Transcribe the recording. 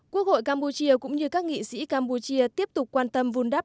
quốc hội campuchia cũng như các nghị sĩ campuchia tiếp tục quan tâm vun đắp